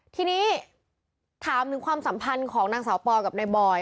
ทีนี้ถามถึงความสัมพันธ์ของนางสาวปอกับนายบอย